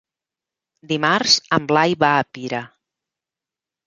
Dimarts en Blai va a Pira.